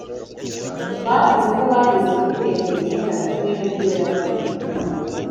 bavuze ko bageze kuri metero icyenda mu turere tumwe na tumwe